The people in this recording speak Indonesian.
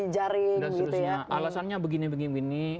jaring gitu ya alasannya begini begini